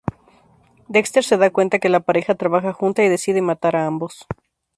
Dexter se da cuenta que la pareja trabaja junta y decide matar a ambos.